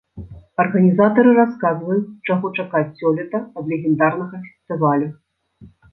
Арганізатары расказваюць, чаго чакаць сёлета ад легендарнага фестывалю.